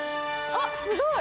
あっすごい！